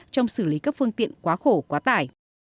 trong xử lý các phương tiện quá khổ quá tải